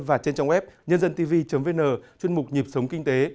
và trên trang web nhândântv vn chuyên mục nhịp sống kinh tế